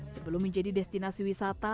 sebelum menjadi destinasi wisata